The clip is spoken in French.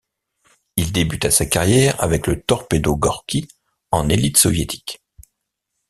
Il débuta sa carrière avec le Torpedo Gorki, en élite soviétique.